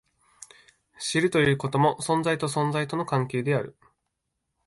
知るということも、存在と存在との関係である。